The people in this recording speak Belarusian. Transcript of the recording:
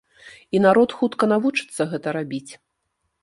І народ хутка навучыцца гэта рабіць.